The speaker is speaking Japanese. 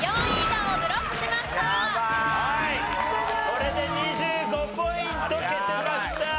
これで２５ポイント消せました。